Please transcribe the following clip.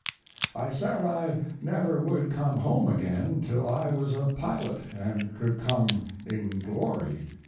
I said I never would come home again till I was a pilot and could come in glory.